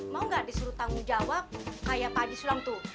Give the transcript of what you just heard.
mau gak disuruh tanggung jawab kayak pa haji sulam tuh